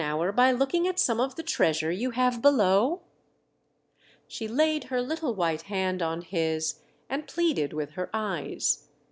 hour by looking at some of the treasure you have below ?" She laid her little white hand on his, and pleaded with her eyes.